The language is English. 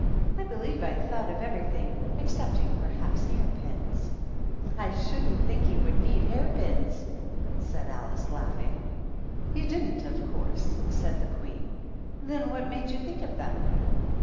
I believe I thought of everything, excepting, per haps, hair pins." " I shouldn't think he would need hair pins," said Alice, laughing. " He didn't, of course," said the Queen. "Then what made you think of them?"